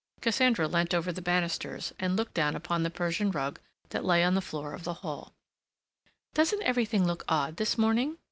Cassandra leant over the banisters, and looked down upon the Persian rug that lay on the floor of the hall. "Doesn't everything look odd this morning?"